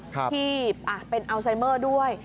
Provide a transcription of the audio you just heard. ที่เป็นอัลไซเมอร์ด้วย